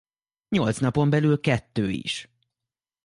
Nyolc napon belül kettő is.